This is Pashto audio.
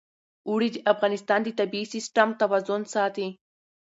اوړي د افغانستان د طبعي سیسټم توازن ساتي.